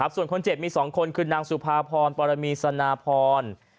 ส่วนคนเจ็บมี๒คนคือนางสุภาพรปรมีสนาพร